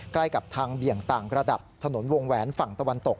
ใกล้กับทางเบี่ยงต่างระดับถนนวงแหวนฝั่งตะวันตก